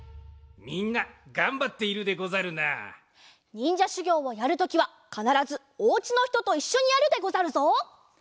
みんながんばっているでござるな。にんじゃしゅぎょうをやるときはかならずおうちのひとといっしょにやるでござるぞ。